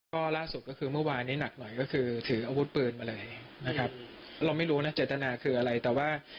ก็ล่าสุดก็คือเมื่อวานนี้หนักหน่อยก็คือถืออาวุธปืนมาเลยนะครับเราไม่รู้นะเจตนาคืออะไรแต่ว่า